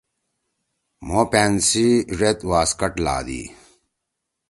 مھو پأن سی ڙید واسکٹ لھادی۔